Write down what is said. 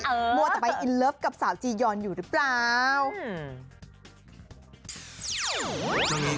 มัวแต่ไปอินเลิฟกับสาวจียอนอยู่หรือเปล่า